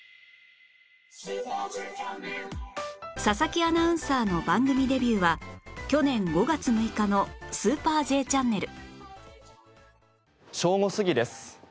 佐々木アナウンサーの番組デビューは去年５月６日の『スーパー Ｊ チャンネル』正午過ぎです。